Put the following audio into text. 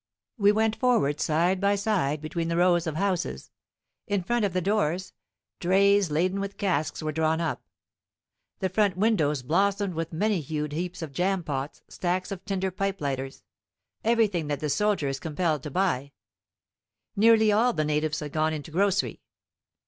We went forward side by side between the rows of houses. In front of the doors, drays laden with casks were drawn up. The front windows blossomed with many hued heaps of jam pots, stacks of tinder pipe lighters everything that the soldier is compelled to buy. Nearly all the natives had gone into grocery.